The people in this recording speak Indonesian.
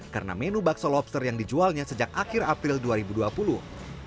karena menu bakso lobster yang dijualnya sejak tahun dua ribu